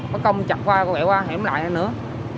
có công chặt qua có lẻ qua hẻm lại hay nữa